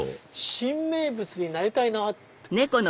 「新名物になりたいな」。